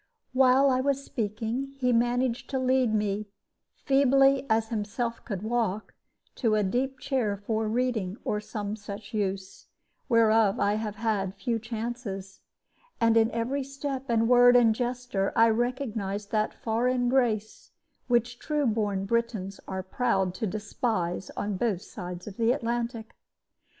While I was speaking he managed to lead me, feebly as himself could walk, to a deep chair for reading, or some such use, whereof I have had few chances. And in every step and word and gesture I recognized that foreign grace which true born Britons are proud to despise on both sides of the Atlantic.